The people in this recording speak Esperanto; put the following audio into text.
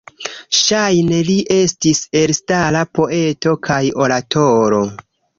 Ŝajne li estis elstara poeto kaj oratoro.